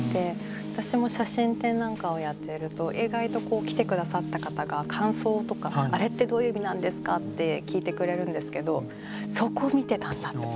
私も写真展なんかをやっていると意外と来て下さった方が感想とか「あれってどういう意味なんですか？」って聞いてくれるんですけどそこを見てたんだって。